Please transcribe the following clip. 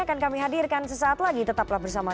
akan kami hadirkan sesaat lagi tetaplah bersama